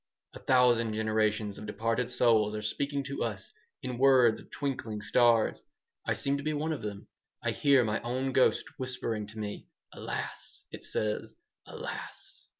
A thousand generations of departed souls are speaking to us in words of twinkling stars. I seem to be one of them. I hear my own ghost whispering to me: 'Alas!' it says, 'Alas!'"